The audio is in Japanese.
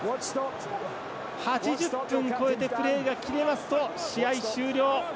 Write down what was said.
８０分超えてプレーが切れますと試合終了。